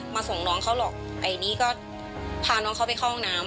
ส่งน้องเขาหรอกไอ้นี่ก็พาน้องเขาไปเข้าห้องน้ำ